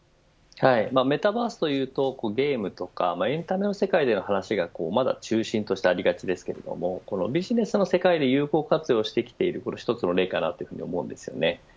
メタバースというとゲームとかエンタメの世界での話がまだ中心としてありがちですけれどもビジネスの世界で有効活用してきている１つの例かなと思うんですよね。